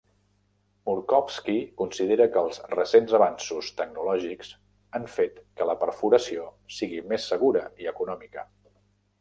Murkowski considera que els recents avanços tecnològics han fet que la perforació sigui més segura i econòmica.